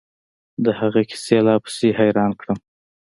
د هغه کيسې لا پسې حيران کړم.